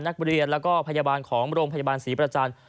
นักบริเศษและพยาบาลของโรงพยาบาลศรีประจันทร์